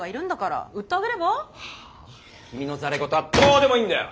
君のざれ事はどうでもいいんだよ！